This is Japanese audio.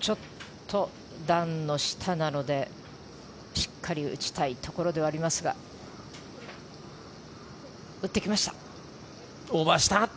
ちょっと段の下なのでしっかり打ちたいところではありますがオーバーした。